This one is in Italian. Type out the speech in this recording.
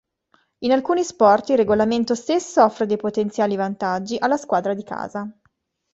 In alcuni sport, il regolamento stesso offre dei potenziali vantaggi alla squadra di casa.